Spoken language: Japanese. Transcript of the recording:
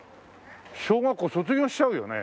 小学校卒業しちゃうよね。